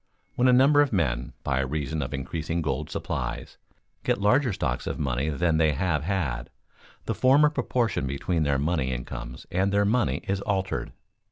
When a number of men, by reason of increasing gold supplies, get larger stocks of money than they have had, the former proportion between their money incomes and their money is altered.